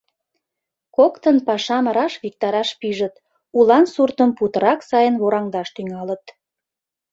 Коктын пашам раш виктараш пижыт, улан суртым путырак сайын вораҥдаш тӱҥалыт.